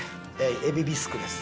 海老ビスクです。